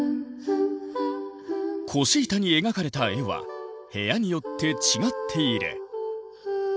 腰板に描かれた絵は部屋によって違っている。